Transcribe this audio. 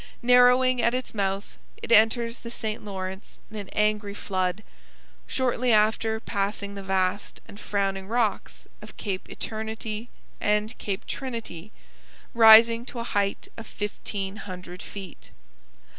Narrowing at its mouth, it enters the St Lawrence in an angry flood, shortly after passing the vast and frowning rocks of Cape Eternity and Cape Trinity, rising to a height of fifteen hundred feet.